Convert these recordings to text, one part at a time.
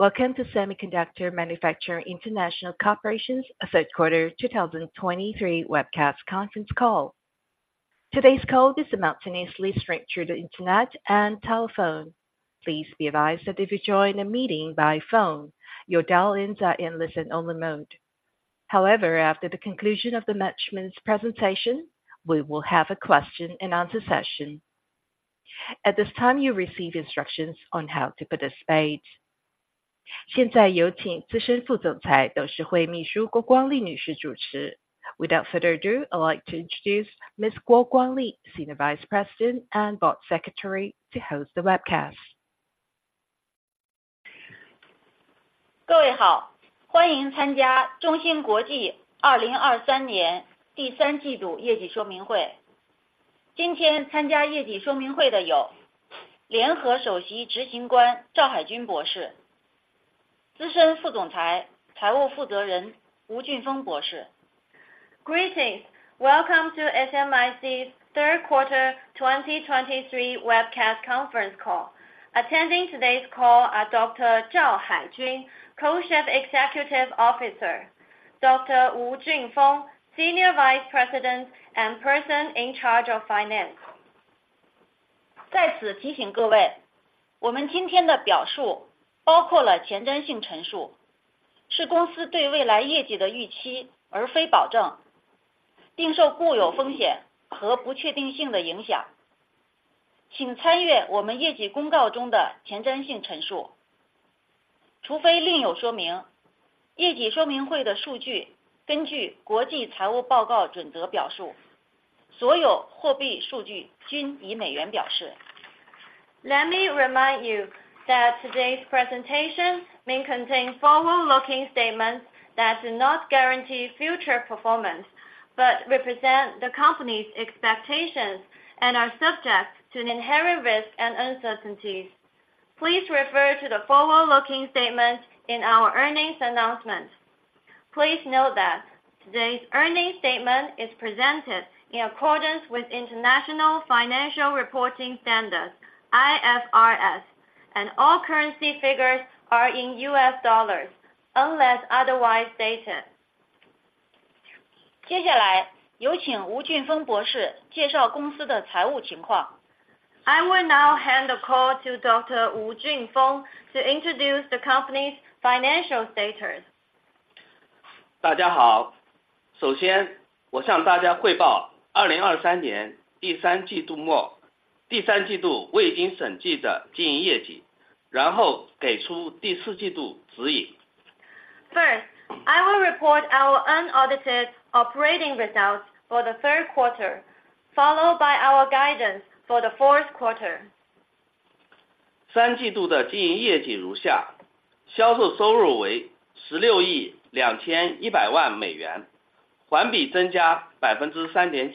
Welcome to Semiconductor Manufacturing International Corporation's third quarter 2023 webcast conference call. Today's call is simultaneously streamed through the internet and telephone. Please be advised that if you join the meeting by phone, your dial-ins are in listen-only mode. However, after the conclusion of the management's presentation, we will have a question-and-answer session. At this time, you'll receive instructions on how to participate. 现在有请资深副总裁，董事会秘书郭光丽女士主持. Without further ado, I'd like to introduce Miss Guo Guangli, Senior Vice President and Board Secretary, to host the webcast. 各位好，欢迎参加中芯国际2023年第三季度业绩说明会。今天参加业绩说明会的有联合首席执行官赵海军博士，资深副总裁、财务负责人吴俊锋博士。Greetings! Welcome to SMIC's third quarter 2023 webcast conference call. Attending today's call are Dr. Zhao Haijun, Co-Chief Executive Officer, Dr. Wu Junfeng, Senior Vice President and Person in Charge of Finance. 在此提醒各位，我们今天的表述包含了前瞻性陈述，是公司对未来业绩的预期，而非保证，并受固有风险和不确定性的影响。请参阅我们业绩公告中的前瞻性陈述。除非另有说明，业绩说明会的數據根据国际财务报告准则表述，所有货币数据均以美元表示。Let me remind you that today's presentation may contain forward-looking statements that do not guarantee future performance, but represent the company's expectations and are subject to an inherent risk and uncertainties. Please refer to the forward-looking statements in our earnings announcement. Please note that today's earnings statement is presented in accordance with International Financial Reporting Standards, IFRS, and all currency figures are in US dollars, unless otherwise stated. 接下来，请吴俊锋博士介绍公司的财务情况。I will now hand the call to Dr. Wu Junfeng to introduce the company's financial status. 大家好，首先我向大家汇报2023年第三季度末，第三季度未经审计的经营业绩，然后给出第四季度指引。First, I will report our unaudited operating results for the third quarter, followed by our guidance for the fourth quarter. The third quarter operating results are as follows: sales revenue was $1.621 billion, up 3.9% quarter-over-quarter, gross margin was 19.8%, down 0.5 percentage points quarter-over-quarter.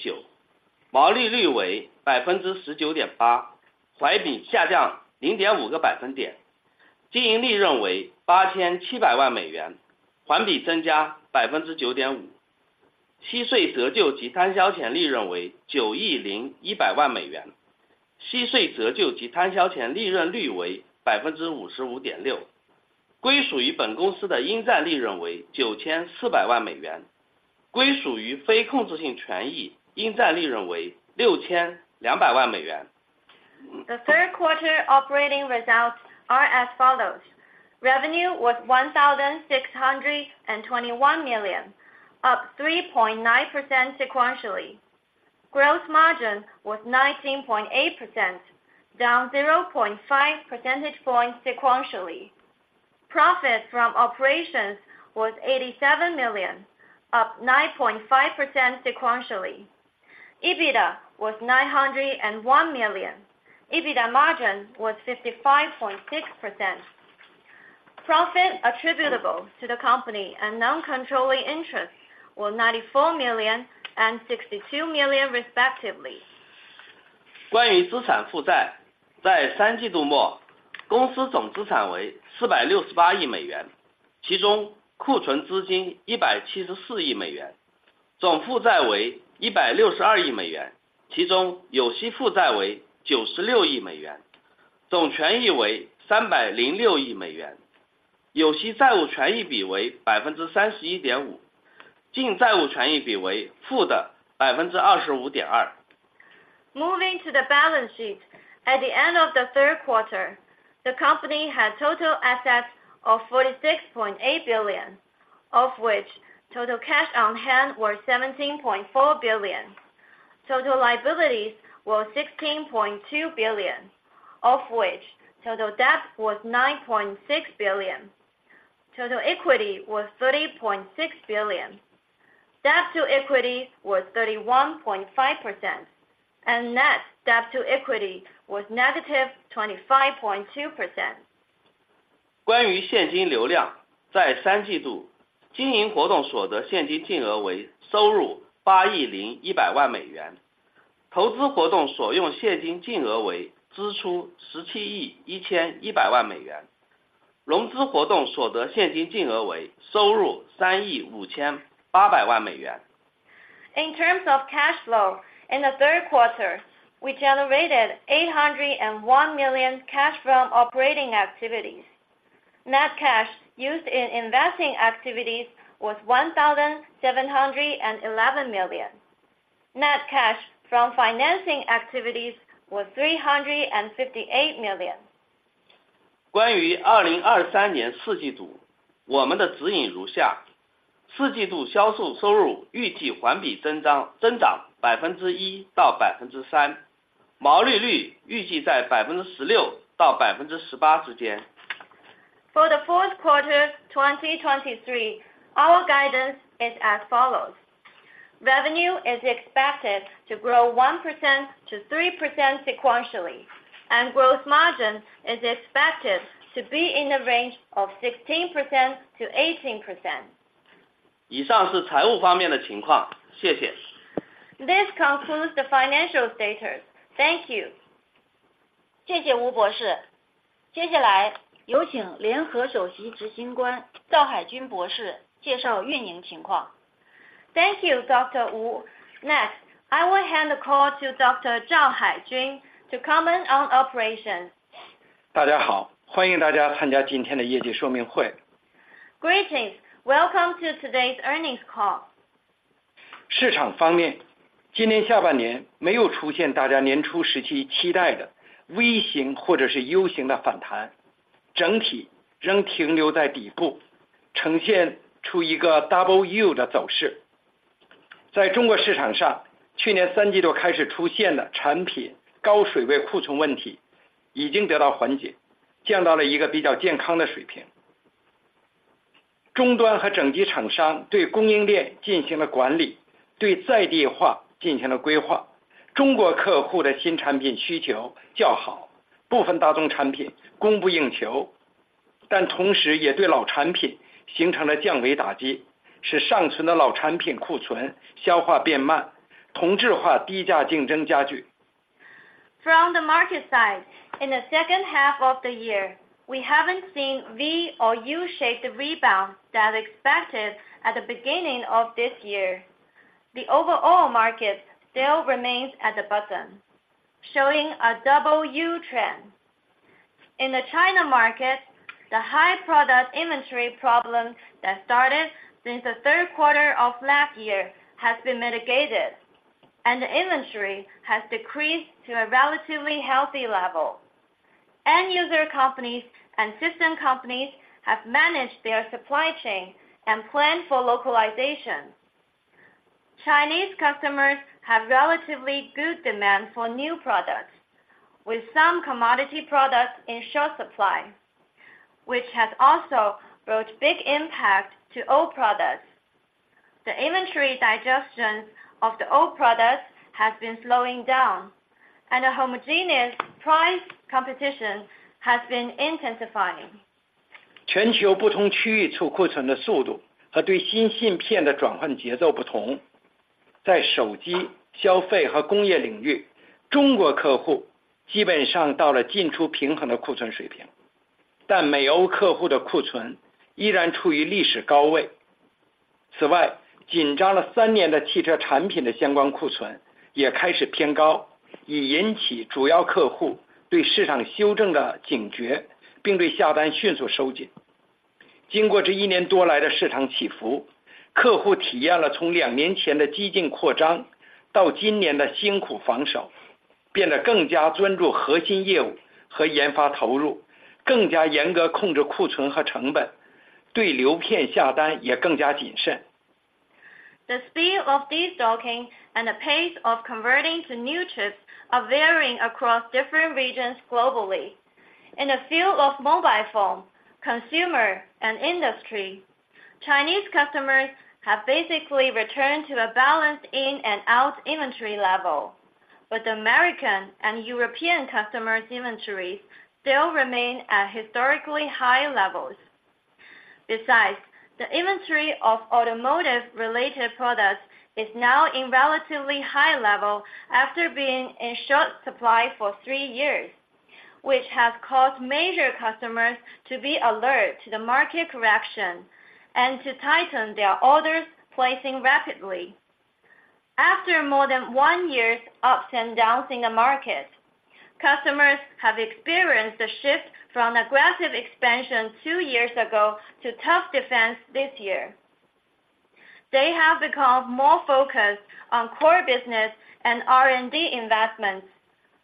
Operating profit was $87 million, up 9.5% quarter-over-quarter. Profit before tax, depreciation and amortization was $901 million, EBITDA margin was 55.6%. Profit attributable to the company was $94 million, profit attributable to non-controlling interests was $62 million. The third quarter operating results are as follows: revenue was $1,621 million, up 3.9% sequentially. Gross margin was 19.8%, down 0.5 percentage points sequentially. Profit from operations was $87 million, up 9.5% sequentially. EBITDA was $901 million. EBITDA margin was 55.6%. Profit attributable to the company and non-controlling interests were $94 million and $62 million, respectively. 关于资产负债，在三季度末，公司总资产为$46.8 billion，其中库存资金$17.4 billion，总负债为$16.2 billion，其中有息负债为$9.6 billion，总权益为$30.6 billion，有息债务权益比为31.5%，净债务权益比为负的25.2%。Moving to the balance sheet. At the end of the third quarter, the company had total assets of $46.8 billion, of which total cash on hand was $17.4 billion. Total liabilities were $16.2 billion, of which total debt was $9.6 billion. Total equity was $30.6 billion. Debt to equity was 31.5%, and net debt to equity was -25.2%. Regarding cash flow, in the third quarter, net cash from operating activities was $801 million, net cash used in investing activities was $1.711 billion, net cash from financing activities was $358 million. In terms of cash flow, in the third quarter, we generated $801 million cash from operating activities. Net cash used in investing activities was $1,711 million. Net cash from financing activities was $358 million. 关于2023年第四季度，我们的指引如下：第四季度销售收入预计环比增长，增长1%-3%，毛利率预计在16%-18%之间。For the fourth quarter 2023, our guidance is as follows: revenue is expected to grow 1%-3% sequentially, and gross margin is expected to be in the range of 16%-18%. 以上是财务方面的情况。谢谢。This concludes the financial status. Thank you. 谢谢吴博士。接下来有请联合首席执行官赵海军博士介绍运营情况。Thank you, Dr. Wu. Next, I will hand the call to Dr. Zhao Haijun to comment on operations. 大家好，欢迎大家参加今天的业绩说明会。Greetings! Welcome to today's earnings call. 市场方面，今年下半年没有出现大家年初时期期待的V形或者是U形的反弹，整体仍停留在底部，呈现出一个double From the market side, in the second half of the year, we haven't seen V- or U-shaped rebound that expected at the beginning of this year. The overall market still remains at the bottom, showing a double U trend. In the China market, the high product inventory problem that started since the third quarter of last year has been mitigated, and the inventory has decreased to a relatively healthy level. End user companies and system companies have managed their supply chain and plan for localization. Chinese customers have relatively good demand for new products, with some commodity products in short supply, which has also brought big impact to old products. The inventory digestion of the old products has been slowing down, and a homogeneous price competition has been intensifying. 全球不同区域库存的速度和对新芯片的转换节奏不同，在手机、消费和工业领域，中国客户基本上到了进出平衡的库存水平，但美欧客户的库存仍然处于历史高位。此外，紧张了三年的汽车产品的相关库存也开始偏高，已引起主要客户对市场修正的警觉，并对下单迅速收紧。经过这一年多来的市场起伏，客户体验了从两年前的激进扩张到今年的辛苦防守，变得更加专注核心业务和研发投入，更加严格控制库存和成本，对流片下单也更加谨慎。The speed of destocking and the pace of converting to new chips are varying across different regions globally. In the field of mobile phone, consumer and industry, Chinese customers have basically returned to a balanced in and out inventory level, but the American and European customers' inventories still remain at historically high levels. Besides, the inventory of automotive related products is now in relatively high level after being in short supply for three years, which has caused major customers to be alert to the market correction and to tighten their orders, placing rapidly. After more than one year's ups and downs in the market, customers have experienced a shift from aggressive expansion two years ago to tough defense this year. They have become more focused on core business and R&D investments,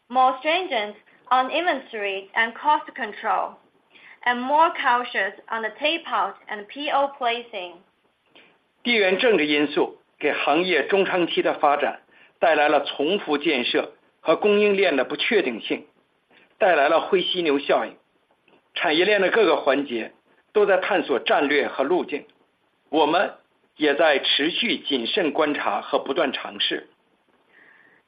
more stringent on inventory and cost control, and more cautious on the payout and PO placing. 地缘政治因素给行业中长期的发展带来了重复建设和供应链的不确定性，带来了灰犀牛效应。产业链的各个环节都在探索战略和路径，我们也在持续谨慎观察和不断尝试。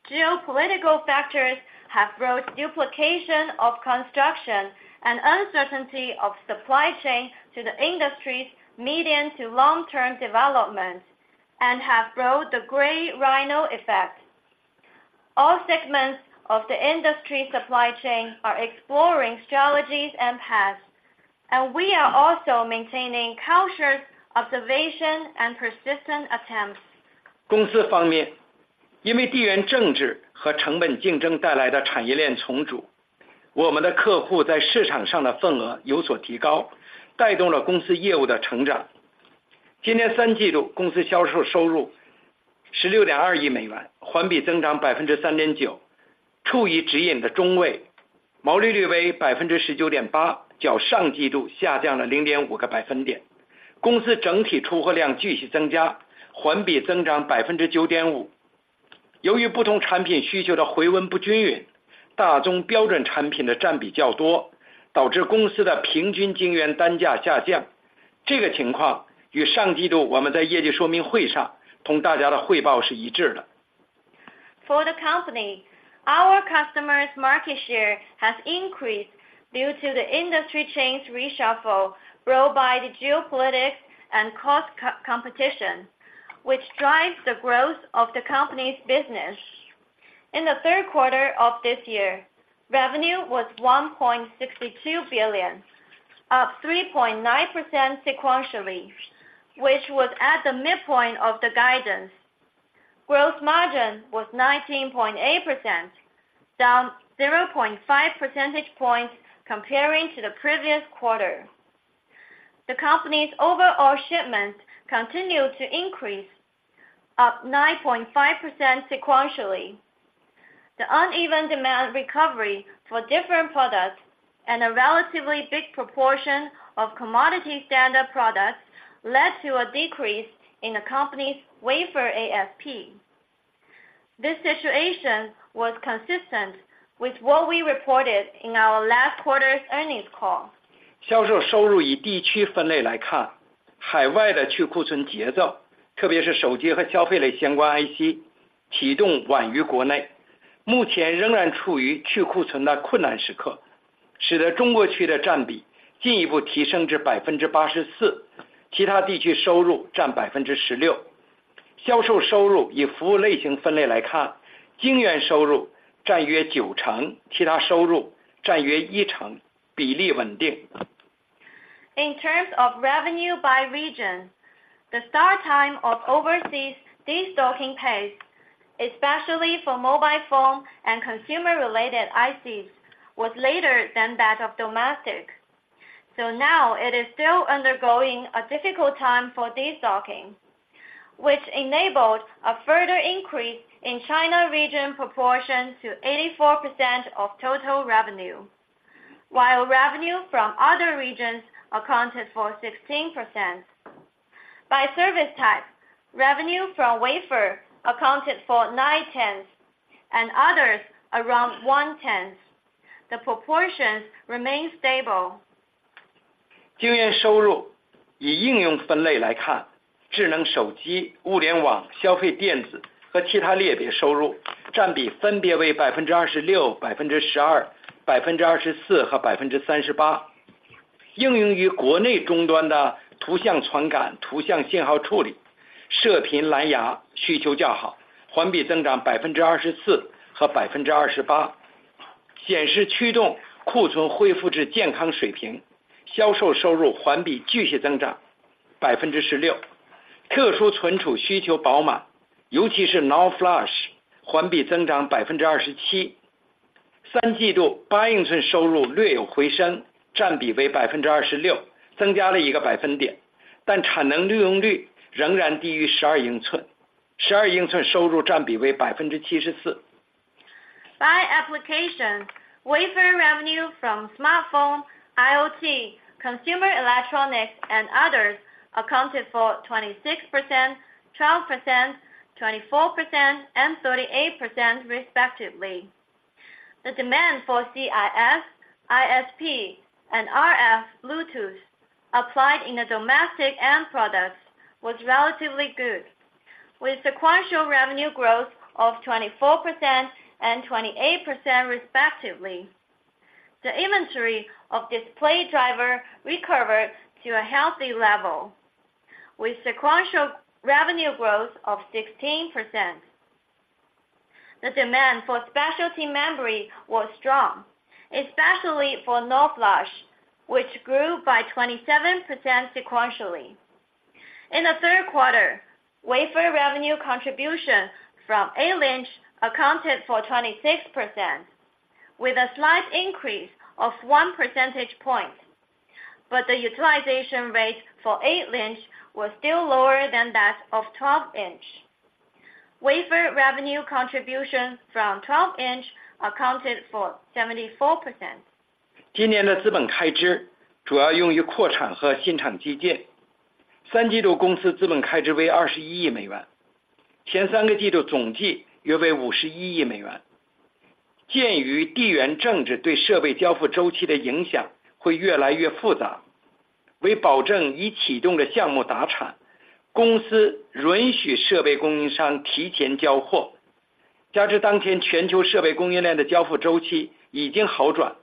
Geopolitical factors have brought duplication of construction and uncertainty of supply chain to the industry's medium- to long-term developments and have brought the gray rhino effect. All segments of the industry supply chain are exploring strategies and paths, and we are also maintaining cautious observation and persistent attempts. From the company perspective, because of the supply chain reorganization brought about by geopolitical and cost competition, our customers' market share has increased, driving the growth of the company's business. In the third quarter this year, the company's sales revenue was $1.62 billion, up 3.9% quarter-over-quarter, in the midpoint of the guidance, gross margin was 19.8%, down 0.5 percentage points from the previous quarter. The company's overall shipment volume continued to increase, up 9.5% quarter-over-quarter. Due to the uneven recovery of demand for different products, with a higher proportion of large and medium standard products, the company's average wafer price declined. This situation is consistent with the report we provided to everyone at the performance briefing last quarter. For the company, our customers' market share has increased due to the industry chains reshuffle brought by the geopolitics and cost co-competition, which drives the growth of the company's business. In the third quarter of this year, revenue was $1.62 billion, up 3.9% sequentially, which was at the midpoint of the guidance. Gross margin was 19.8%, down 0.5 percentage points comparing to the previous quarter. The company's overall shipments continued to increase, up 9.5% sequentially. The uneven demand recovery for different products and a relatively big proportion of commodity standard products led to a decrease in the company's wafer ASP. This situation was consistent with what we reported in our last quarter's earnings call. 销售收入以地区分类来看，海外的去库存节奏，特别是手机和消费类相关IC，启动晚于国内，目前仍然处于去库存的困难时刻，使得中国区的占比进一步提升至84%，其他地区收入占16%。销售收入以服务类型分类来看，晶圆收入占约九成，其他收入占约一成，比率稳定。In terms of revenue by region, the start time of overseas destocking pace, especially for mobile phone and consumer related ICs, was later than that of domestic. So now it is still undergoing a difficult time for destocking, which enabled a further increase in China region proportion to 84% of total revenue, while revenue from other regions accounted for 16%. By service type, revenue from wafer accounted for 9/10 and others around 1/10. The proportions remain stable. 晶圆收入以应用分类来看，智能手机、物联网、消费电子和其他类别收入占比分别为26%、12%、24%和38%。应用于国内终端的图像传感、图像信号处理、射频、蓝牙需求较好，环比增长24%和28%，显示驱动库存恢复至健康水平，销售收入环比继续增长16%。特殊存储需求饱满，尤其是NOR Flash，环比增长27%。三季度8英寸收入略有回升，占比为26%，增加了一个百分点，但产能利用率仍然低于12英寸，12英寸收入占比为74%。By application, wafer revenue from smartphone, IoT, consumer electronics, and others accounted for 26%, 12%, 24%, and 38% respectively. The demand for CIS, ISP, and RF Bluetooth applied in the domestic end products was relatively good, with sequential revenue growth of 24% and 28% respectively. The inventory of display driver recovered to a healthy level, with sequential revenue growth of 16%. The demand for specialty memory was strong, especially for NOR flash, which grew by 27% sequentially. In the third quarter, wafer revenue contribution from 8-inch accounted for 26%, with a slight increase of 1 percentage point. But the utilization rate for 8-inch was still lower than that of 12-inch. Wafer revenue contribution from 12-inch accounted for 74%. 今年的资本开支主要用于扩产和新厂基建。三季度公司资本开支为$2.1 billion，前三个季度总计约为$5.1 billion。鉴于地缘政治对设备交付周期的影响会越来越复杂，为保证已启动的项目达产，公司允许设备供应商提前交货，加之当下全球设备供应链的交付周期已经好转。...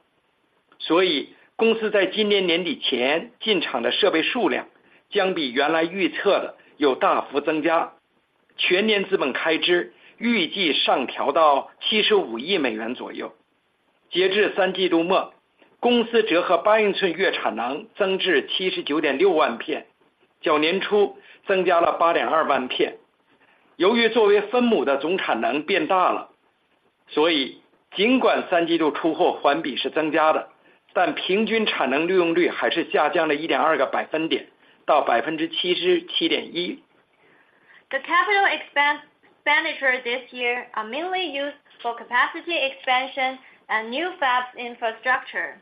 The capital expenditures this year are mainly used for capacity expansion and new fabs infrastructure.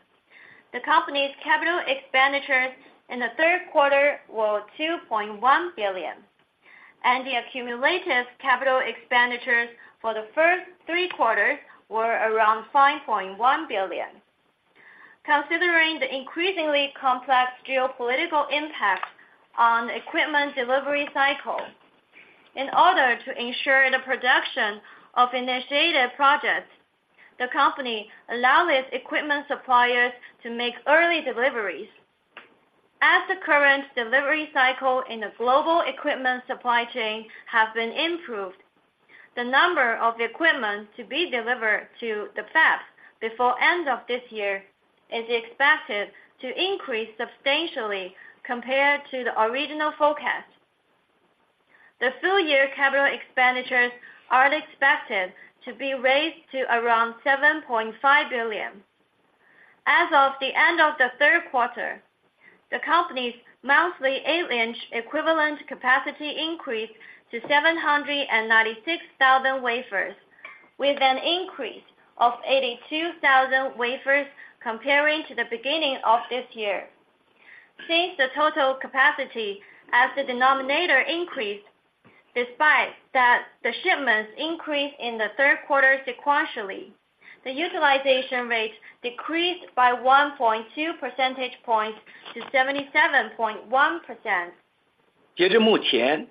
The company's capital expenditures in the third quarter were $2.1 billion, and the accumulative capital expenditures for the first three quarters were around $5.1 billion. Considering the increasingly complex geopolitical impact on equipment delivery cycle, in order to ensure the production of initiated projects, the company allows its equipment suppliers to make early deliveries. As the current delivery cycle in the global equipment supply chain have been improved, the number of equipment to be delivered to the fabs before end of this year is expected to increase substantially compared to the original forecast. The full year capital expenditures are expected to be raised to around $7.5 billion. As of the end of the third quarter, the company's monthly 8-inch equivalent capacity increased to 796,000 wafers, with an increase of 82,000 wafers comparing to the beginning of this year. Since the total capacity as the denominator increased, despite that the shipments increased in the third quarter sequentially, the utilization rate decreased by 1.2 percentage points to 77.1%.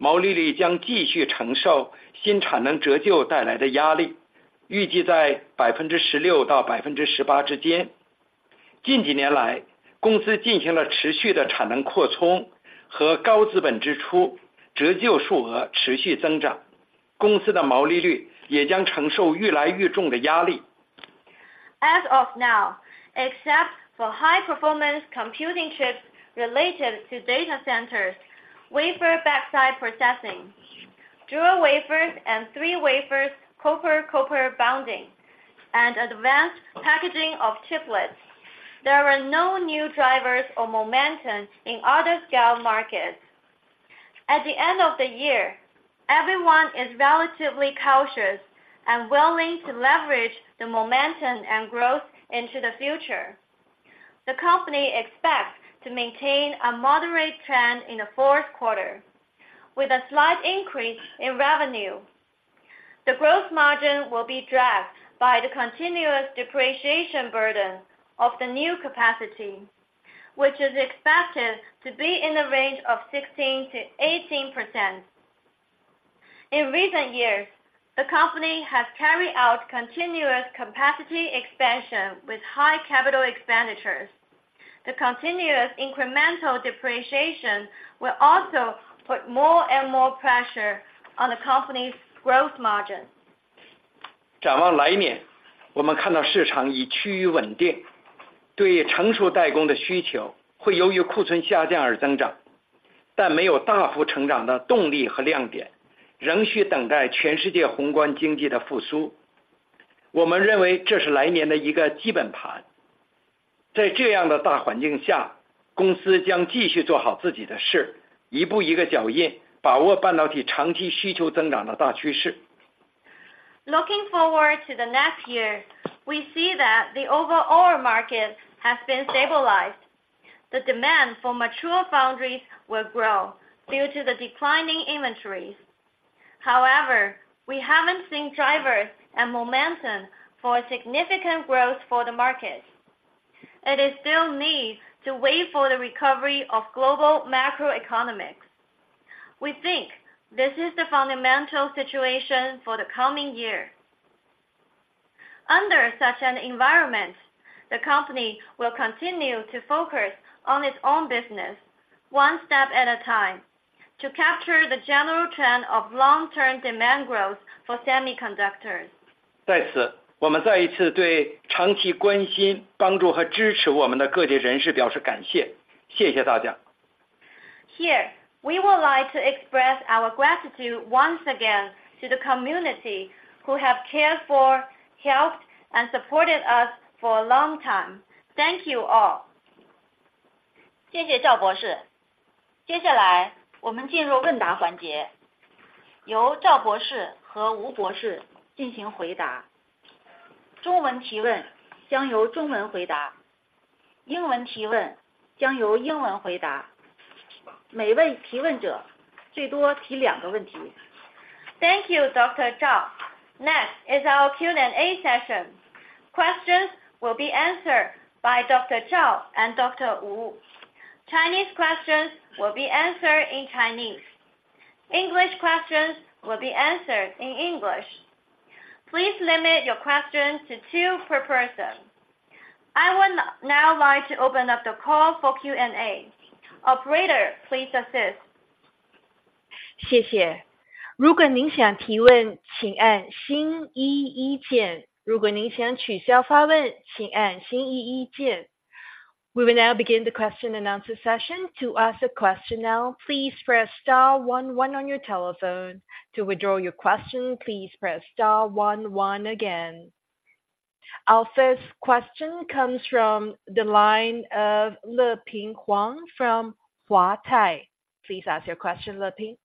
As of now, except for high performance computing chips related to data centers, wafer backside processing, dual wafers and three wafers, copper-copper bonding, and advanced packaging of chiplets, there are no new drivers or momentum in other scale markets. At the end of the year, everyone is relatively cautious and willing to leverage the momentum and growth into the future. The company expects to maintain a moderate trend in the fourth quarter, with a slight increase in revenue. The growth margin will be dragged by the continuous depreciation burden of the new capacity, which is expected to be in the range of 16%-18%. In recent years, the company has carried out continuous capacity expansion with high capital expenditures. The continuous incremental depreciation will also put more and more pressure on the company's growth margin. 展望明年，我们看到市场已趋于稳定，对成熟代工的需求会由于库存下降而增长，但没有大幅增长的动力和亮点，仍需等待世界宏观经济的复苏。我们认为这是明年的一基本盘。在这样的环境下，公司将继续做好自己的事，一步一个脚印，把握半导体长期需求增长的大趋势。Looking forward to the next year, we see that the overall market has been stabilized. The demand for mature foundries will grow due to the declining inventories. However, we haven't seen drivers and momentum for significant growth for the market. It is still need to wait for the recovery of global macroeconomics. We think this is the fundamental situation for the coming year. Under such an environment, the company will continue to focus on its own business, one step at a time, to capture the general trend of long-term demand growth for semiconductors. 在此，我们再次对长期关心、帮助和支持我们的各界人士表示感谢。谢谢大家！ Here, we would like to express our gratitude once again to the community who have cared for, helped, and supported us for a long time. Thank you all! 谢谢赵博士。接下来我们进入问答环节，由赵博士和吴博士进行回答。中文提问将由中文回答，英文提问将由英文回答。每位提问者最多提两个问题。Thank you, Dr. Zhao. Next is our Q&A session. Questions will be answered by Dr. Zhao and Dr. Wu. Chinese questions will be answered in Chinese, English questions will be answered in English. Please limit your questions to two per person. I will now like to open up the call for Q&A. Operator, please assist. 谢谢，如果您想提问，请按星一一键，如果您想取消发问，请按星一一键。We will now begin the question and answer session. To ask a question now, please press star one one on your telephone. To withdraw your question, please press star one one again. Our first question comes from the line of Huang Leping from Huatai. Please ask your question, Leping.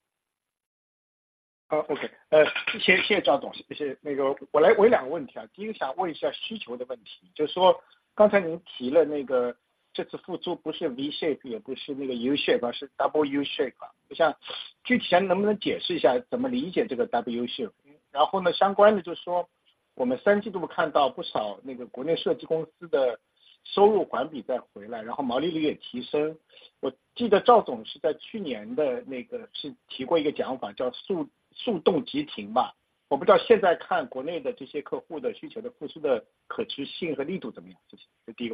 OK，谢谢，谢谢赵总。谢谢。那个，我有两个问题啊，第一个想问一下需求的问题，就是说刚才您提了那个这次复苏不是V shape，也不是那个U shape，是W shape，我想具体能不能解释一下怎么理解这个W shape。然后呢，相关的就是说我们三季度看到不少那个国内设计公司的收入环比在回来，然后毛利率也提升。我记得赵总是在去年的那个是提过一个讲法，叫急速冻急停吧。我不知道现在看国内的这些客户的需求的复苏的可持续性和力度怎么样？这是第一个问题。好，谢谢乐平的问题啊。这样看需求这个地方，先讲W shape，W是这样，一个是讲W。原来大家觉得可能这一次的下行是一年的时间，到了年底会恢复，那现在看来呢，这个事情要放大一倍，是W，是两年，我们是这样认为。第二个，这个W就是中间会跳起来一点，是有一个小行情。就刚才你提到的，在三季度我们看到跟手机相关的一些设计公司，比较小规模的设计公司都创了历史新高，就是盈利和这个销售额。我想是这样，就是我们现在看到一个小行情是手机带动，手机集中在三季度来发布，那有很多特定的人群已经有几年没换手机了，所以这一轮呢，大家都换自己的手机，并不是因为手机有非常多的亮点，哎呀，还主要是因为这个特定的人群，他现在要换这个手机。那我们觉得这个小行情并不带动整个大的形势的变化，因为来年整个看起来手机整个的销量基本跟今年是持平的。手机的销售是季节性的，就是在发布的那个月份和季节会很高，备货期间呢会拉动。但整体如果我们从两年来看，基本上两年是一样的，并没有特别大的带动，我们是这样认为了。还有一个就是来年会增长一些，主要是因为去年速冻急停起步在去年六七月份，所以启动得非常的早，那个时候欧美还在增强订货，还是在供不应求。那些产品呢，到今年能够卖掉的基本就卖掉，不能够卖掉的也不会很快的就卖掉，所以对大的形势没有太大的影响。所以我们觉得整个的这个走向是flation，现在这一波赶上了手机潮的，有很好的营收，现在其他的手机厂商也被带动，也会备货，所以可能会持续。只是对这些公司而言，对整体行业应该是flation是比较平滑的。哦，好，谢谢，谢谢赵总，基本上是这样。然后我第二个问题想问一下关于那个资本开支的问题啊，公司这期上调了资本开支到那个$7.3 billion啊，因为我看海关数据，我们看九月份中国进口半导体设备达到了$5 billion，接近$5 billion，那个金额就接近是你们上调之前的那个资本开支的那个规模了。就是我看就所以说国内很多厂商都在那个进口半导体设备，你这个赵总你怎么看？就是一个是国内的就是成熟工艺的市场的竞... 供需关系怎么看，就到明年这些产能开出来的时候，然后公司怎么看，就是明年的我们的扩产节奏，如果今年就资本开支能上到那么高，$7.3 billion 就是，谢谢。好，乐平，谢谢。我们现在已经公布的中芯国际建了这么多项目，每个项目投资总额是多少，达到多少规模，就是1个月的产能是多少，做什么样的节点，我们在之前1.5年的时间里都公布过，大家把这些数据加在一起，就是我们定下来的未来要发展的目标，扩产的规模。那以前我也跟大家交流过，中芯国际建1个工厂，其实其他行业的同行也是这样啊，不会工厂在几年内像摩尔定律一样，做几年就关掉，不会做这种。我们做成熟节点，1个工厂建立起来是准备运行20年以上，那这样呢，就是变成我们主要看未来，建这些工厂的时候，最好是1年1个工厂。... 所以赶上了，有的赶上了行业的booming高峰时期，有的赶上了谷底，就像现在一样，是downturn。但是不管怎么样，未来20年的运营和公司的慢慢的成长，它都是在淡季、旺季都是要做的。所以这个对整体的发展并没有太大的影响。那我们刚才讲的原因也好，就是因为中芯国际特定的情况，我们很多设备呢，是它要申请准证的，那这样就变成说你对设备到达的时间你没办法准确地预测，那最好的办法就是你一起都申请了，你一起都发票了，那这样呢，供应商如果能够市场缓和，交货比较快，那我们现在也允许他，就按照他可以交货的时间先进来，那这就造成说刚才说我们原来预测的CAPEX，到了年底发现来的设备可以交付的比原来预测的要多，那我们这个就增长了。那回答你刚才讲的，就是说还有其他的公司也在建产能，是不是未来啊，有很多过度的产能和竞争关系哈？这是大家都在担心，我们也在密切地看。刚才我在讲稿里面有讲说，由于这个地缘政治，现在大家讲的时候讲得比较热，每个地方都在单独地扩建自己的产能。所以我个人的理解是，整个需求没有比产能扩建得快，所以从全球来看，应该是产能会过剩了。要需要很多时间慢慢地消化掉这几年匆匆忙忙建起来的产能。但是从另外一个点来看呢，有一些特别大的市场地区，像中国市场，像美国市场，它其实满足国内的整机整车这样的系统要求，它本地的生产量是不够的，所以我们也在计算和跟客户做这样的联盟和绑定。我们中芯国际建设的产能，其实都是有跟客户事先做过的沟通，有客户意向，就是将来要把多大的量放在中芯国际来生产。那基于这样的一种交流呢，我们认为中国半导体的需求未来很需要很大的本地的制造的产能，然后这些客户也有战略性的意向要跟中芯国际来做合作，所以我们中芯国际建设的产能信心还是比较高的，认为在未来还是有客户的需求和订单的。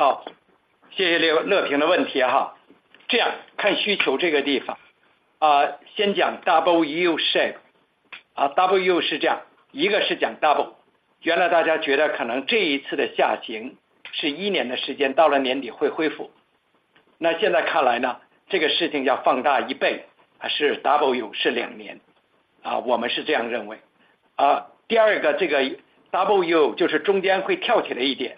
好，谢谢。哎，那边。谢谢。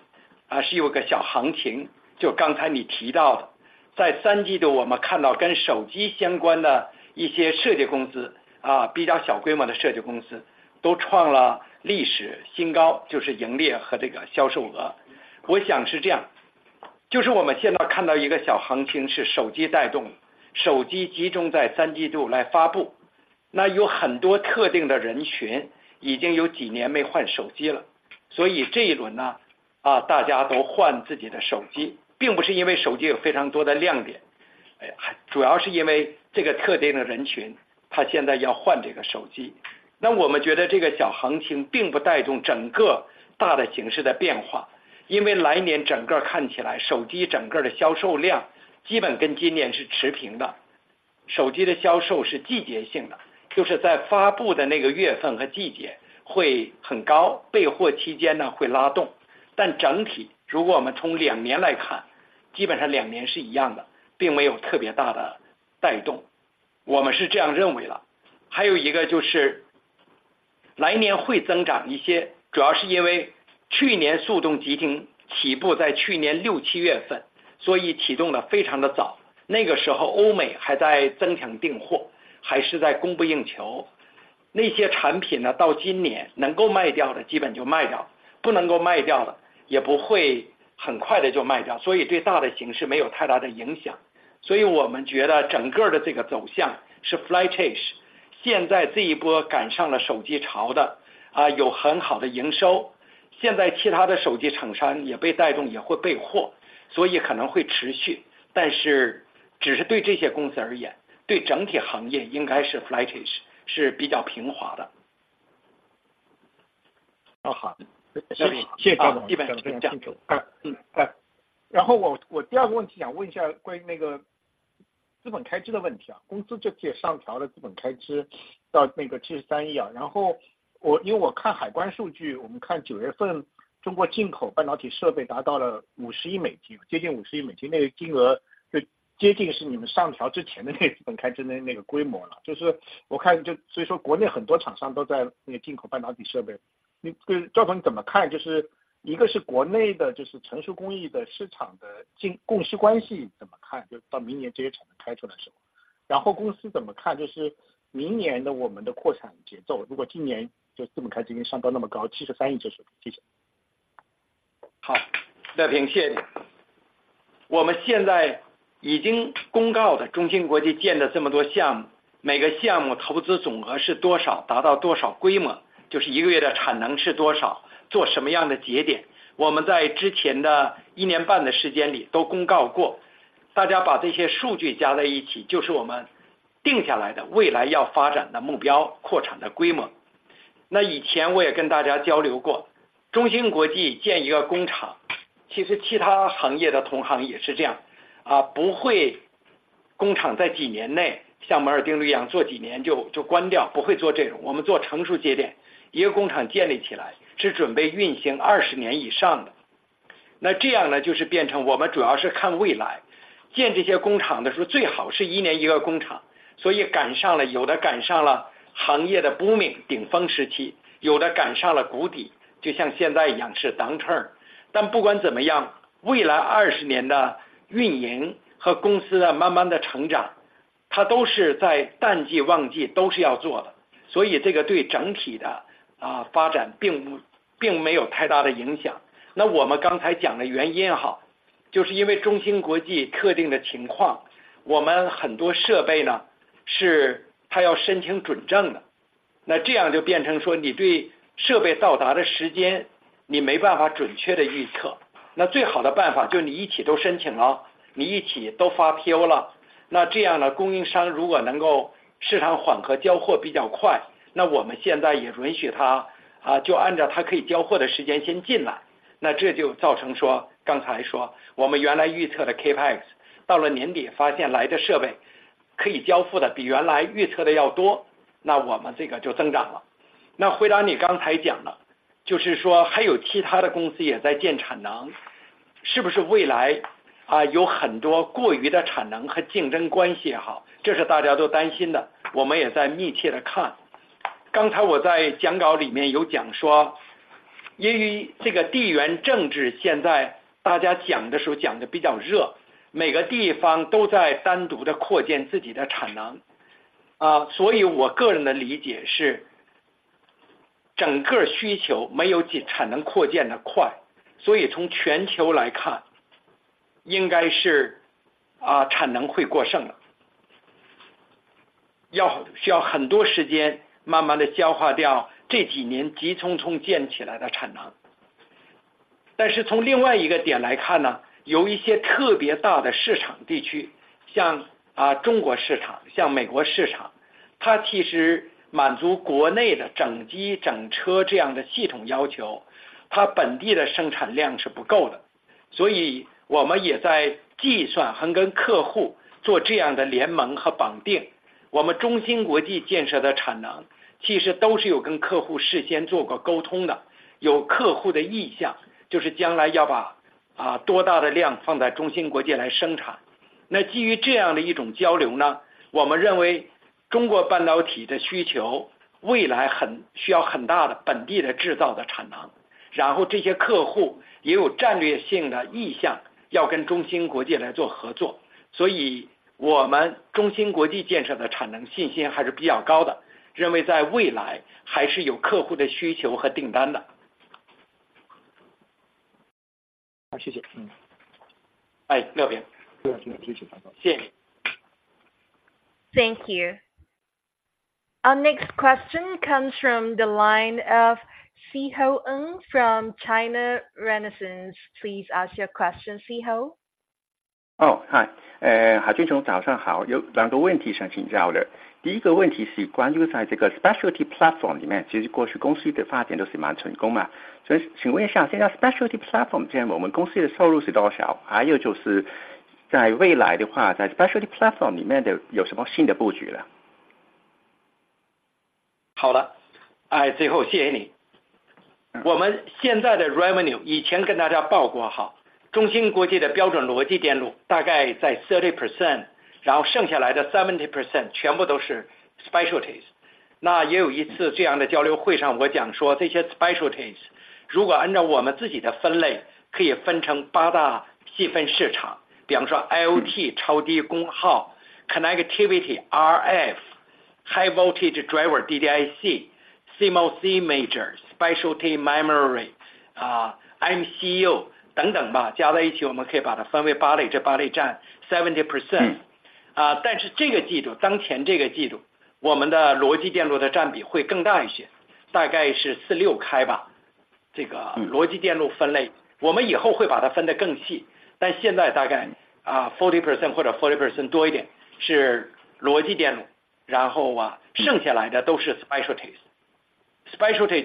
Thank you. Our next question comes from the line of Szeho Ng from China Renaissance. Please ask your question, Szeho. 赵海俊总早上好，有两个问题想请教的。第一个问题是关于在这个specialty platform里面，其实过去公司的发都蛮成功的嘛，所以请问一下，现在specialty platform这样，我们公司的收入是多少？还有就是在未来的话，在specialty platform里面的有什么新的布局了？ 好了，哎，最后谢谢你。我们现在的 revenue 以前跟大家报过哈，中芯国际的标准逻辑电路大概在 30%，然后剩下的 70% 全部都是 specialties。那也有一次这样的交流会上，我讲说这些 specialties，如果按照我们自己的分类，可以分成八大细分市场，比如说 IOT、超低功耗、connectivity、RF、high voltage driver DDIC, CMOS image, specialty memory，啊，MCU 等等吧，加在一起我们可以把它分为八类，这八类占 70%。啊，但是这个季度，当前这个季度，我们的逻辑电路的占比会更大一些，大概是 四六开 吧。这个逻辑电路分类，我们以后会把它分得更细，但现在大概啊，40% 或者 40% 多一点是逻辑电路，然后啊，剩下的都是 specialties。Specialty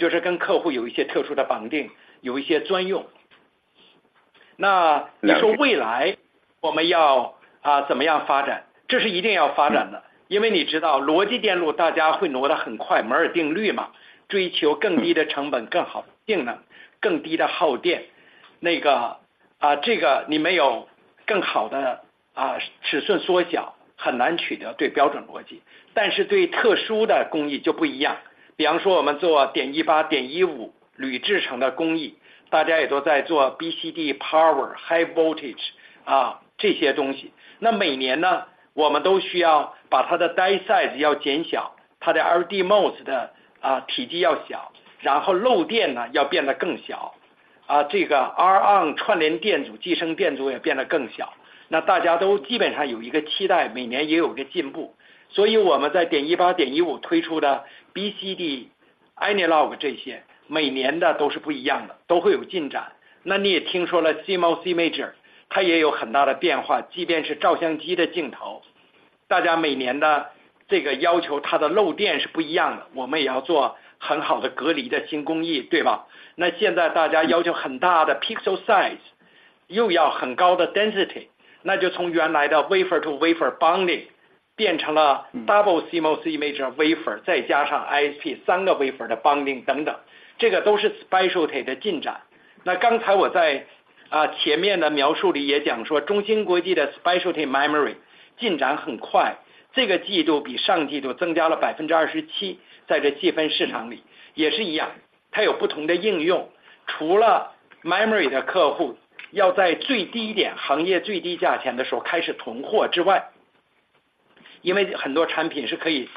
BCD power，high voltage 啊这些东西，那每年呢，我们都需要把它的 die size 要缩小，它的 RD mode 的啊 体积要小，然后漏电呢，要变得更小，啊，这个 R on 串联电阻，寄生电阻也变得更小，那大家基本上都有一个期待，每年也有个进步。所以我们在 0.18、0.15 推出的 BCD analog 这些，每年的都是不一样的，都会有进展。那你也听说了 CMOS image，它也有很大的变化，即便是相机镜头，大家每年的这个要求，它的漏电是不一样的，我们也要做很好的隔离的新工艺，对吧？那现在大家要求很大的 pixel size，又要很高的 density，那就没有从原来的 wafer to wafer bonding 变成了 double CMOS image wafer，再加上 ISP 三个 wafer 的 bonding 等等，这个都是 specialty 的进展。... 刚才我在前面的描述里也讲说中芯国际的specialty memory进展很快，这个季度比上季度增加了27%。在这个细分市场里也是一样，它有不同的应用，除了MEMORY的客户要在最低点，行业最低价格的时候开始囤货之外，因为很多产品是可以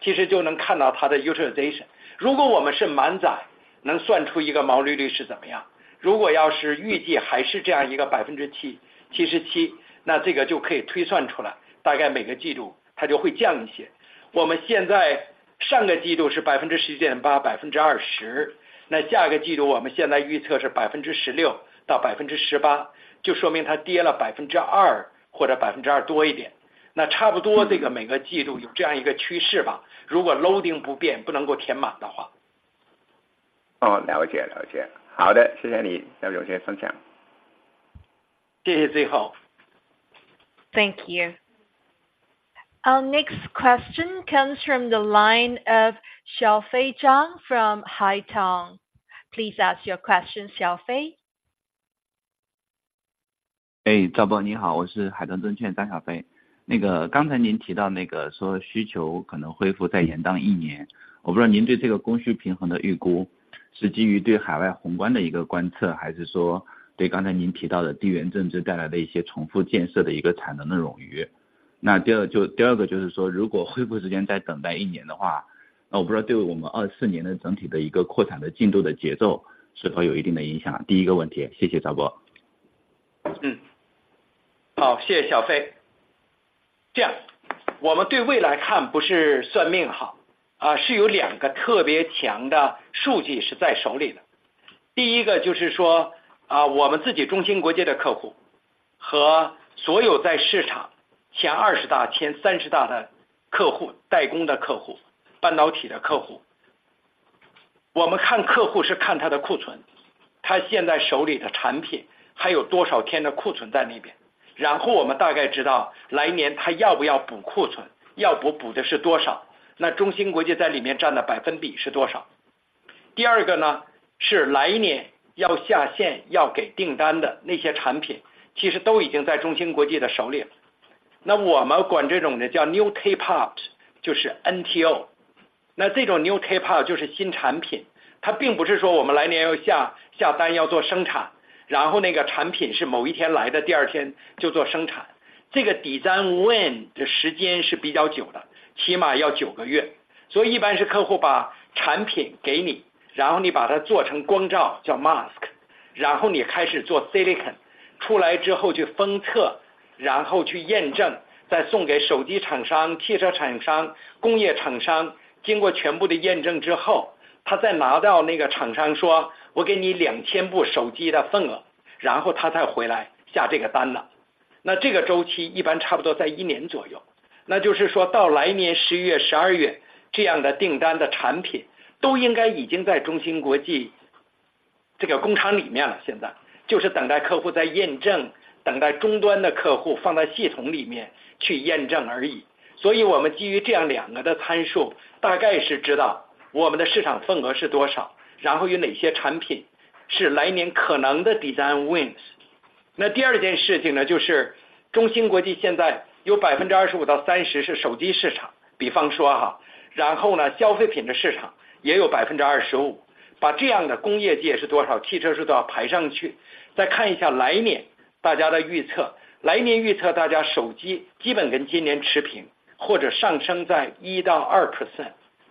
utilization，那这个季度我们是77.1%，那我们也公告说下个季度的revenue我们会增长多少，其实就能看到它的utilization。如果我们是满载，能算出一个毛利率是怎么样的，如果要是预计还是这样的一个77%，那这个就可以推算出来，大概每个季度它就会降一些。我们现在上个季度是17.8%，20%，那下个季度我们现在预测是16%-18%，就说明它跌了2%或者2%多一点。那差不多这个每个季度有这样一个趋势吧，如果loading不变，不能够填满的话。哦，了解，了解。好的，谢谢你，感谢分享。谢谢，最后。Thank you. Our next question comes from the line of Xiaofei Zhang from Haitong. Please ask your question, Xiaofei. New Tape Out，就是 NTO，那这种 New Tape Out 就是新产品，它并不是说我们来年要下单要做生产，然后那个产品是某一天来的，第二天就做生产。... 这个 design win 的时间是比较久的，至少要9个月。所以一般是客户把产品给你，然后你把它做成光罩，叫 mask，然后你开始做 silicon，出来之后去封测，然后去验证，再送给手机厂商、汽车厂商、工业厂商，经过全部的验证之后，他再拿到那个厂商说我给你2000部手机的份额，然后他再回来下这个单了。那这个周期一般差不多在1年左右，那就是说到来年11月、12月这样的订单的产品都应该已经在中芯国际这个工厂里面了，现在。就是等待客户再验证，等待终端的客户放在线系里面去验证而已。所以我们基于这样两个的参数，大概是知道我们的市场份额是多少，然后有哪些产品是明年可能的 design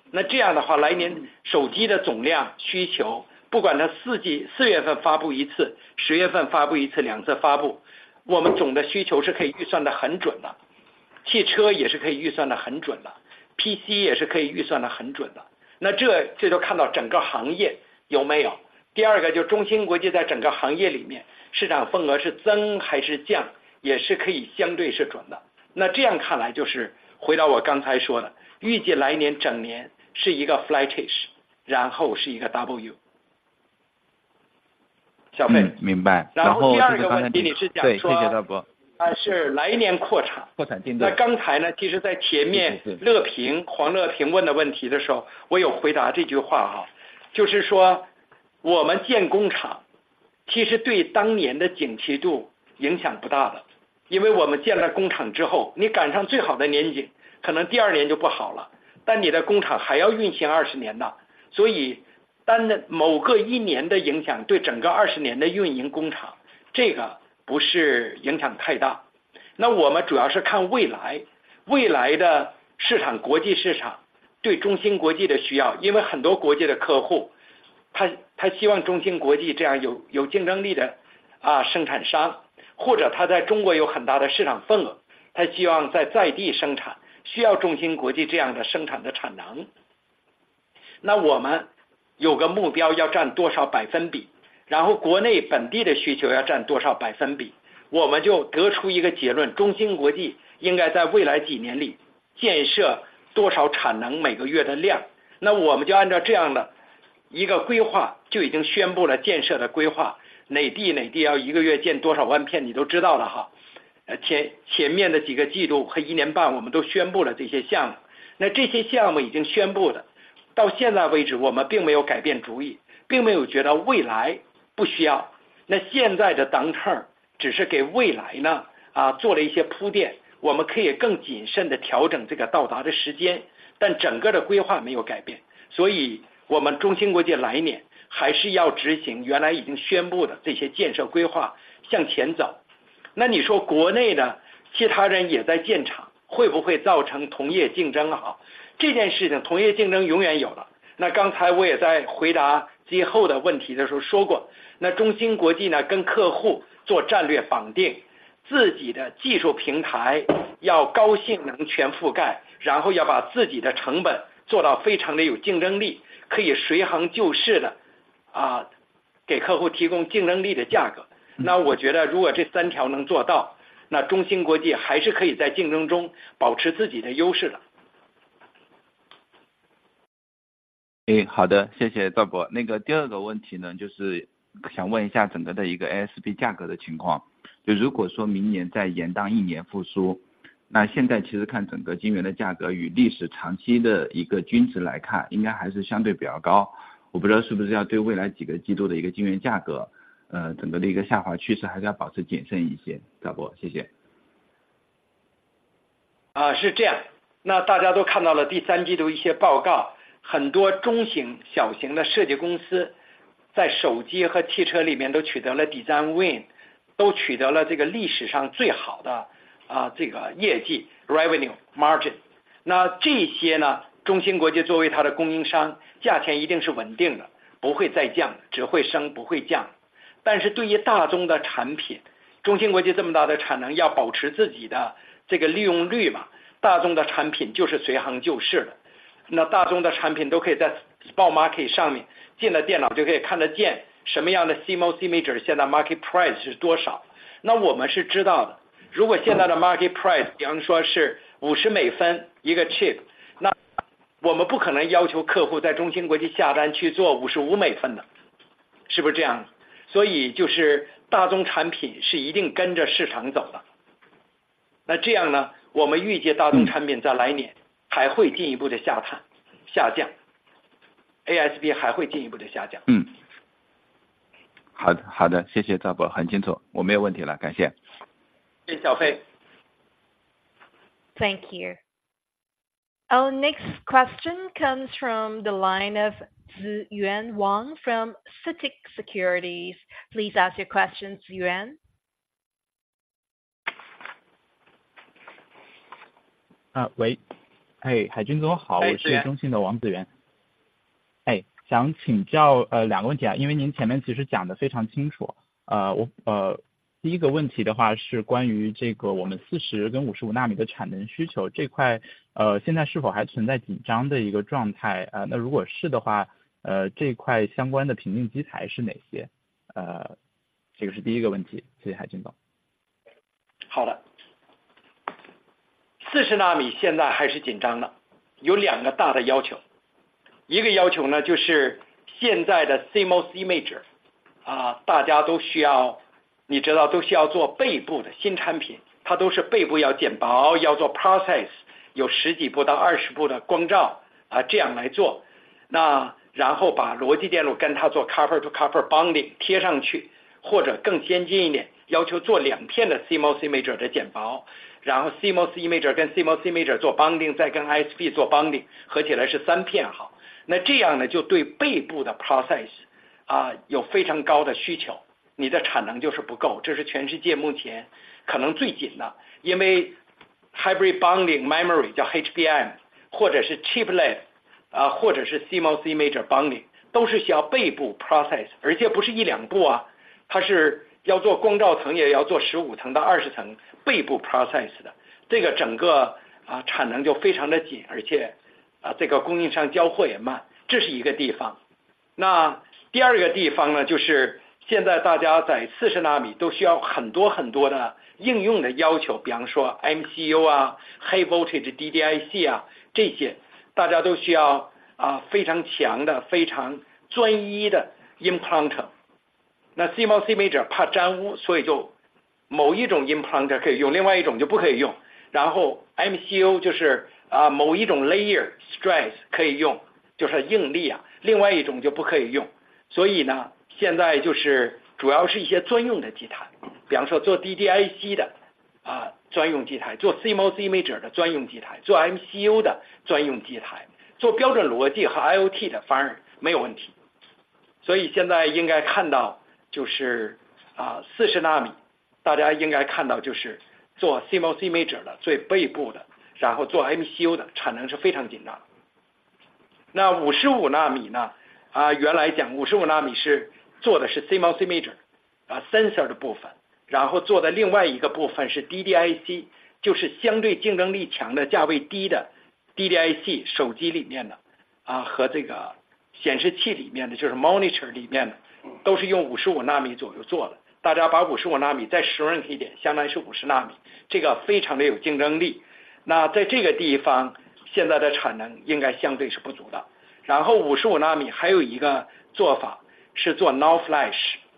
wins。那第二件事情呢，就是中芯国际现在有25%-30%是手机市场，比方说哈，然后呢，消费品的市场也有25%，把这样的工业界是多少，汽车是多少排上去。再看一下明年大家的预测，明年预测大家手机基本跟今年持平，或者上升在1%-2%。那这样的话，明年手机的总量的需求，不管它四季四月份发布一次，十月份发布一次，两次发布，我们总的需求是可以预算得很好的，汽车也是可以预算得很好的，PC也是可以预算得很好的。那就看到整个行业有没有。第二就是中芯国际在整个行业里面市场份额是增还是降，也是可以相对是准的。那这样看来就是回到我刚才说的，预计明年全年是一个 flatish，然后是一个 W。Xiaofei, mingbai. 然后第二个问题你是讲说- 对，谢谢大伯。是这样，那大家看到了第三季度一些报告，很多中型小型的设计公司在手机和汽车里面都取得了design win，都取得了这个历史上最好的，这个业绩revenue margin，那这些呢，中芯国际作为它的供应商，价钱一定是稳定的，不会再降，只会升，不会降。但是对于大宗的产品，中芯国际这么大的产能，要保持自己的这个利用率嘛，大宗的产品就是随行就市的，那大宗的产品都可以在spot market上面，进了电脑就可以看见什么样的CMOS wafer，现在的market price是多少，那我们是知道的。如果现在的market price比方说是$0.50一个chip，那我们不可能要求客户在中芯国际下单去做$0.55的，是不是这样？所以就是大宗产品是一定跟着市场走的。那这样呢，我们预计大宗产品在明年还会进一步的下探下降，ASP还会进一步的下降。嗯，好的，好的，谢谢大伯，很清楚，我没有问题了，谢谢。Thank you, Xiaofei. Thank you. Our next question comes from the line of Ziyuan Wang from CITIC Securities. Please ask your questions, Ziyuan. 海军总好，我是中信的王子元。想请教两个问题，因为您前面其实讲得非常清楚，第一个问题是关于我们40跟55纳米的产能需求这块，现在是否还存在紧张的一个状态，那如果的话，这一块相关的平台机台是哪些？这个是第一个问题，谢谢海军总。好了，40纳米现在还是紧张的，有两个大的要求，一个要求呢，就是现在的CMOS image，啊，大家都需要，你知道都需要做背部的新产品，它都是背部要剪薄，要做process，有十几部到20部的光罩，啊，这样来做，那然后把逻辑电路跟它做cover to cover bonding贴上去，或者更先进一点，要求做两片的CMOS image的剪薄，然后CMOS image跟CMOS image做bonding，再跟IC做bonding，合起来是三片哈。这样呢，就对背部的process，啊，有非常高的需求，你的产能就是不够，这是全世界目前可能最紧的。因为hybrid bonding memory叫HBM，或者是chiplet，啊，或者是CMOS image bonding，都是需要背部process，而且不是一两部啊，它是要做光罩层，也要做15层到20层背部process的，这个整个，啊产能就非常的紧，而且，啊，这个供应商交货也慢，这是一个地方。第二个地方呢，就是现在大家在40纳米都需要很多很多的应用的要求，比方说MCU啊，High voltage DDIC啊，这些大家都需要，啊，非常强的，非常专一的implanter，那CMOS image怕沾污，所以就某一种implanter可以用，另外一种就不可以用。然后MCU就是，啊，某一种layer image，啊，sensor的部分，然后做的另外一个部分是DDIC，就是相对竞争力强的、价位低的，DDIC手机里面的啊，和这个显示器里面的，就是monitor里面的，都是用55纳米左右做的，大家把55纳米再细一点，相当于是50纳米，这个非常的有竞争力。在这个地方，现在的产能应该相对是不足的。然后55纳米还有一个做法是做NAND Flash，刚才我也讲NAND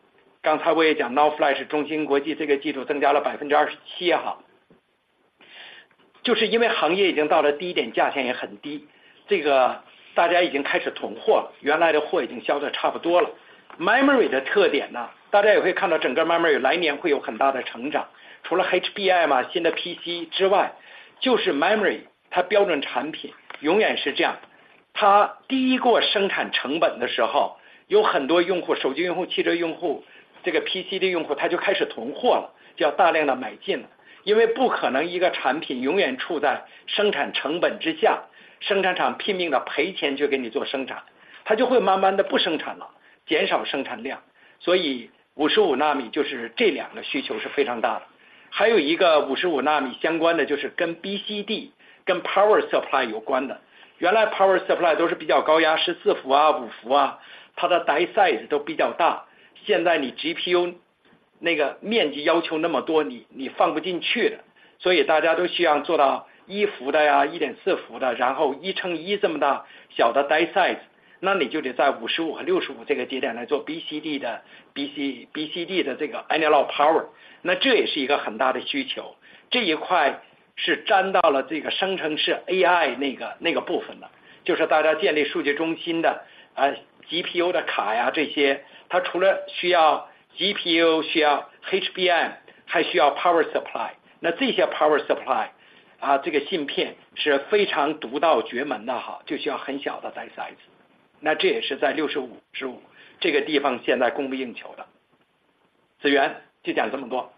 supply有关的，原来power supply都是比较高压，是4伏啊、5伏啊，它的die size都比较大，现在你GPU那个面积要求那么多，你，你放不进去的，所以大家都需要做到1伏的呀，1.4伏的，然后1乘1这么的小的die size，那你就得在55和65这个节点来做BCD的，BC，BCD的这个analog power，那这也是一个很大的需求，这一块是沾到了这个生成式AI那个，那个部分的，就是大家建立数据中心的，啊，GPU的卡呀这些，它除了需要GPU，需要HBM，还需要power supply，那这些power supply，啊，这个芯片是非常独到绝门的哈，就需要很小的die size，那这也是在65、55这个地方，现在供不应求的。紫源就讲这么多。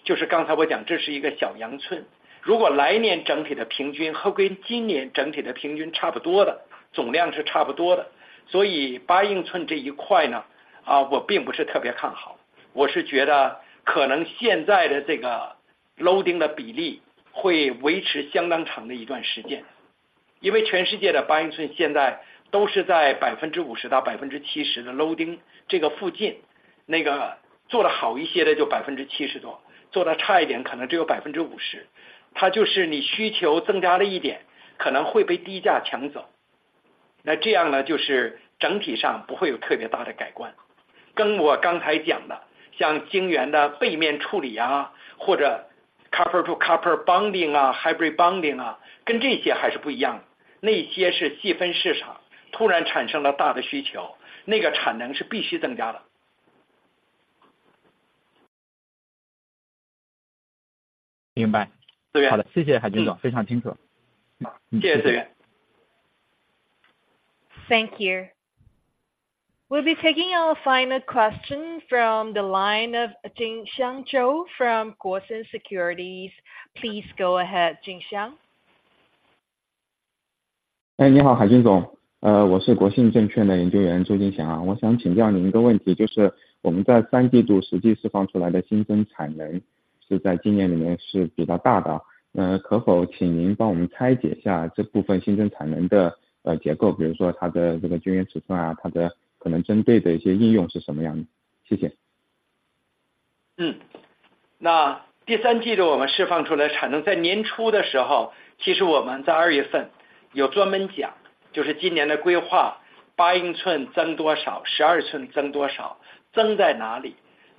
management呀，蓝牙呀，WiFi啊，这种六合一的，这个都是8-inch的，它需求量就比较大，基本恢复到了去年的鼎盛时期的水准。然后这些公司在三季度的公告里，啊，跟那个公告里面有10多家都宣布他们创了历史新高。你知道我说得那些中国中小型的的设计公司，他们也都在A股科创板上市了。那这些公司呢，对8-inch的需求是这样，但我们整体的估计啊，就是刚才我讲这是一个小阳春，如果明年整体的平均和跟今年整体的平均差不多的，总量是差不多的。所以8-inch这一块呢，我并不是特别看好，我是觉得可能现在的这个loading的比例会维持相当长的一段时间，因为全世界的8-inch现在都是在50%-70%的loading这个附近，那个做得好一些的就70%多，做得差一点可能只有50%，它就是你需求增加了一点，可能会被低价抢走，那样呢，就是整体上不会有特别大的改观。跟刚才讲的，像晶圆的背面处理啊，或者copper-to-copper bonding啊，hybrid bonding啊，跟这些还是不一样的，那些是细分市场，突然产生了大的需求，那个产能是必须增加的。明白，好的，谢谢海軍总，非常清楚。谢谢这位。Thank you. We'll be taking our final question from the line of Jingxiang Zhu from Guosen Securities. Please go ahead, Jingxiang.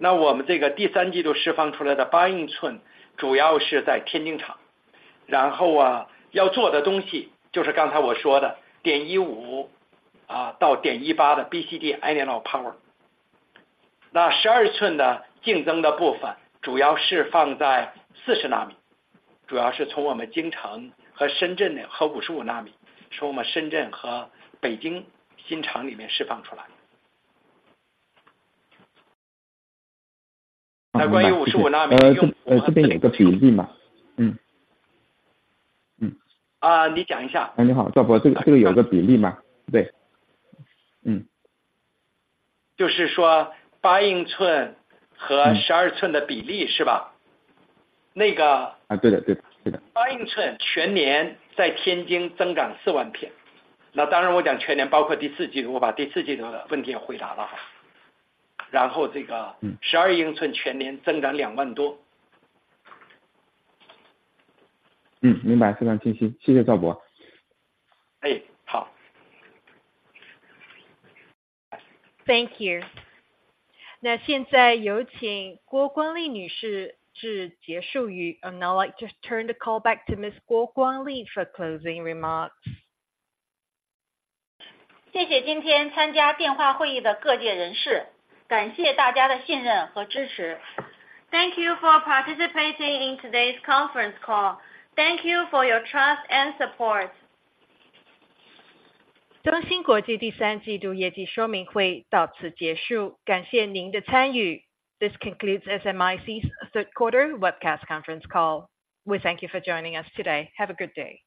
那第三季度我们释放出来的产能，在年初的时候，其实我们在二月份有专门讲，就是今年的规划，8英寸增加多少，12英寸增加多少，增在哪里？我们这个第三季度释放出来的8英寸主要是在天津厂。然后，要做的东西就是刚才我说的0.15到0.18的BCD analog power。那12英寸的竞争的部分主要是放在40纳米，主要是从我们北京和深圳和55纳米，是我们深圳和北京新厂里面释放出来的。那关于55纳米... 这边有一个例子嘛。你讲一下。你好，赵博，这个有个比例嘛，对。就是说8英寸和12英寸的比例是吧？那个。啊，对的，对的，对的。8英寸全年在天津增长40,000片。当然我讲全年包括第四季度，我把第四季度的问 题也回答了哈。然后这个。嗯。12-inch full-year growth over 20,000. 明白，非常清晰，谢谢赵博。好。Thank you. 现在有请郭光丽女士致结束语, now like to turn the call back to Ms. Guo Guangli for closing remarks. 谢谢今天参加电话会议的各界人士，感谢大家的信任和支持。Thank you for participating in today's conference call, thank you for your trust and support. 中芯国际第三季度业绩说明会到此结束，感谢您的参与。This concludes SMIC third quarter webcast conference call. We thank you for joining us today, have a good day.